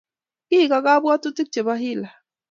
Keek ak kabwatutik chepo hila.